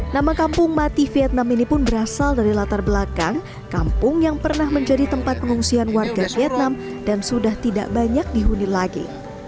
nama kampung mati vietnam ini pun berasal dari latar belakang kampung yang pernah menjadi tempat pengungsian warga vietnam dan sudah tidak banyak dihuni lagi